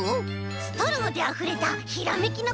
ストローであふれたひらめきのこうえんだよ！